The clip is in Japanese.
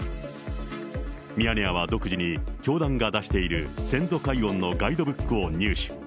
ミヤネ屋は独自に、教団が出している先祖解怨のガイドブックを入手。